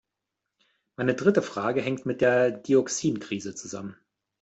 Meine dritte Frage hängt mit der Dioxinkrise zusammen.